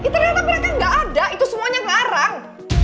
ternyata mereka gak ada itu semuanya ngarang